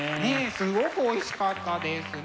すごくおいしかったですね。